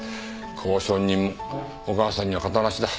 交渉人もお母さんには形無しだ。